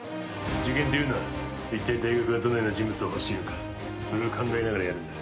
受験というのはいったい大学はどのような人物を欲しているのかそれを考えながらやるんだ。